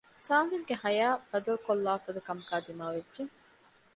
ސާލިމްގެ ހަޔާތް ބަދަލުކޮށްލާފަދަ ކަމަކާ ދިމާވެއްޖެ